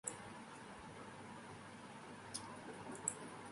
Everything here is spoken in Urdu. بصورت دیگریہ خطہ خاکم بدہن، مشرق وسطی بن جا ئے گا۔